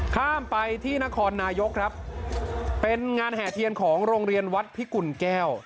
ข้ามไปที่นครนายกครับเป็นงานแห่เทียนของโรงเรียนวัดพิกุลแก้ว